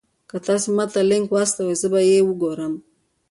که تاسي ما ته لینک واستوئ زه به یې وګورم.